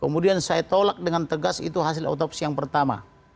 kemudian saya tolak dengan tegas itu hasil otopsi yang pertama